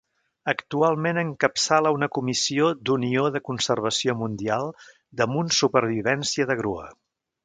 Actualment encapçala una comissió d'Unió de Conservació Mundial damunt supervivència de grua.